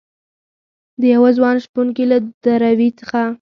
دیوه ځوان شپونکي له دروي څخه